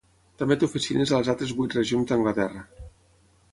També té oficines a les altres vuit regions d'Anglaterra.